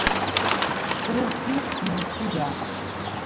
Sɣiɣ-d sin iqetnan n tuga.